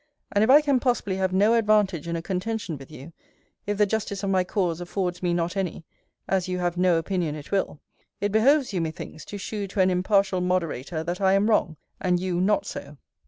And if I can possibly have no advantage in a contention with you, if the justice of my cause affords me not any (as you have no opinion it will,) it behoves you, methinks, to shew to an impartial moderator that I am wrong, and you not so.